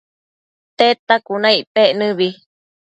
Tedta cuna icpec nëbi